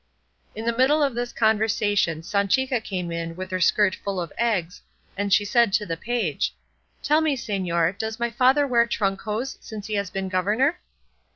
In the middle of this conversation Sanchica came in with her skirt full of eggs, and said she to the page, "Tell me, señor, does my father wear trunk hose since he has been governor?"